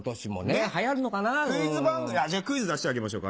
じゃあクイズ出してあげましょうか？